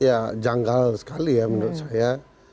ya janggal sekali ya menurut saya